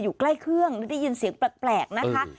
อยู่ใกล้เครื่องได้ยินเสียงแปลกนะคะ